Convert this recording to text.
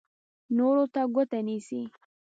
نورو ته ګوته نیسي.